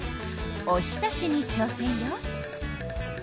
おひたしにちょう戦よ。